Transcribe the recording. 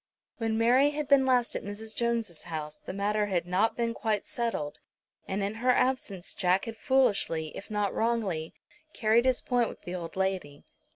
When Mary had been last at Mrs. Jones' house the matter had not been quite settled, and in her absence Jack had foolishly, if not wrongly, carried his point with the old lady.